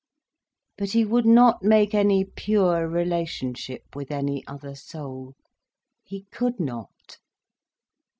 But he would not make any pure relationship with any other soul. He could not.